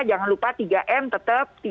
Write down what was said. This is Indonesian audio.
jangan lupa tiga m tetap